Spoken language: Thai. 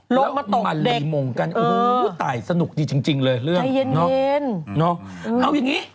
ลงมาตกเด็กอือใจเย็นเลยเรื่องเนอะเอาอย่างนี้